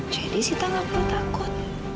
jadi sita nggak perlu takut